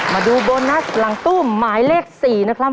มาดูโบนัสหลังตู้หมายเลข๔นะครับ